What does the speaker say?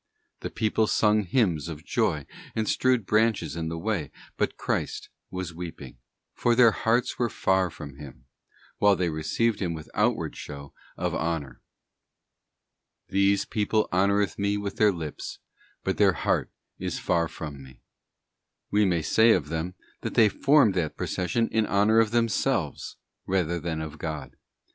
The people sung hymns of joy and strewed branches in the way, but Christ was weeping,* for their hearts were far from Him while they received Him with outward show of honour. ' This people honoureth Me with their lips, but their heart is far from Me.'t We may say of them, that they formed that procession in honour of themselves rather than of God.